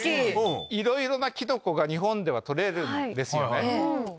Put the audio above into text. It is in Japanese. いろいろなキノコが日本では採れるんですよね。